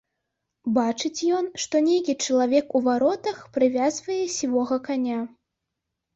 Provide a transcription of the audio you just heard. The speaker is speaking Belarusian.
Бачыць ён, што нейкі чалавек у варотах прывязвае сівога каня.